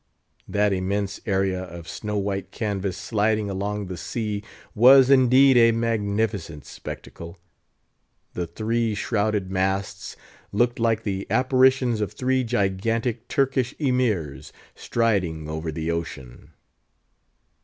That immense area of snow white canvas sliding along the sea was indeed a magnificent spectacle. The three shrouded masts looked like the apparitions of three gigantic Turkish Emirs striding over the ocean.